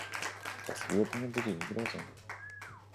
"Bezwiednie budzili grozę."